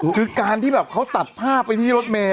คือการที่แบบเขาตัดภาพไปที่รถเมย